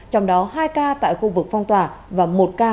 trong đó hai ca tại khu vực phong tỏa và một ca tại khu vực cách ly